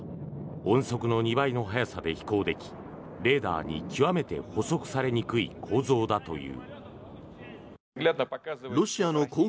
音速の２倍の速さで飛行できレーダーに極めて捕捉されにくい構造だという。